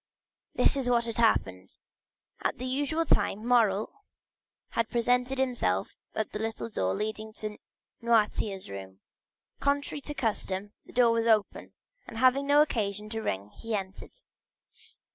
This is what had happened. At the usual time, Morrel had presented himself at the little door leading to Noirtier's room. Contrary to custom, the door was open, and having no occasion to ring he entered.